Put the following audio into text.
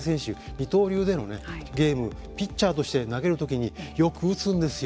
二刀流でのゲームピッチャーとして投げるときによく打つんですよ。